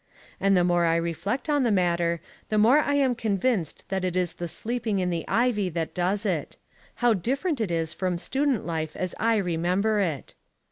And the more I reflect on the matter the more I am convinced that it is the sleeping in the ivy that does it. How different it is from student life as I remember it!